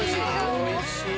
おいしい！